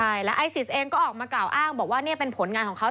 ใช่แล้วไอซิสเองก็ออกมากล่าวอ้างบอกว่านี่เป็นผลงานของเขา